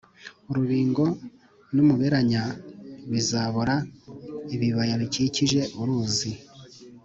Urubingo n umuberanya bizabora Ibibaya bikikije uruzi